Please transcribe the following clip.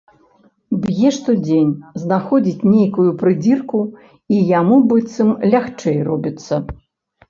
Б'е штодзень, знаходзіць нейкую прыдзірку, і яму быццам лягчэй робіцца.